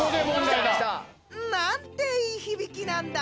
「何ていい響きなんだ」